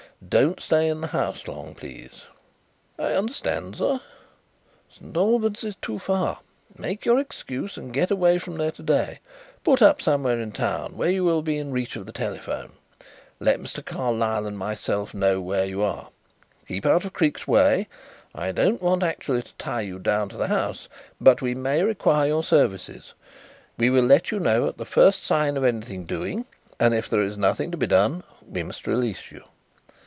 Don't stay in the house long, please." "I understand, sir." "St. Albans is too far. Make your excuse and get away from there to day. Put up somewhere in town, where you will be in reach of the telephone. Let Mr. Carlyle and myself know where you are. Keep out of Creake's way. I don't want actually to tie you down to the house, but we may require your services. We will let you know at the first sign of anything doing and if there is nothing to be done we must release you."